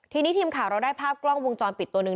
ทีนี้ทีมข่าวเราได้ภาพกล้องวงจรปิดตัวหนึ่ง